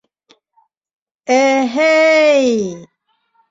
- Э-һе-ей!